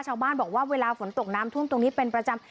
ชาวบ้านบอกว่าเวลาฝนตกน้ำท่วมตรงนี้เป็นประจำ